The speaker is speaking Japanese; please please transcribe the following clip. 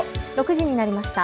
６時になりました。